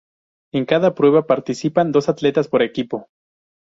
En cada prueba participan dos atletas por equipo.